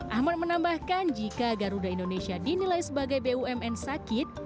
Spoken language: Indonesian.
ahmad menambahkan jika garuda indonesia dinilai sebagai bumn sakit